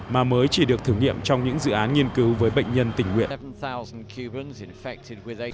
mà mới chỉ được thử nghiệm trong những dự án nghiên cứu với bệnh nhân tỉnh nguyện